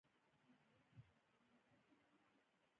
د حضرت عیسی علیه السلام لارښوونې په ایمان کې نغښتې وې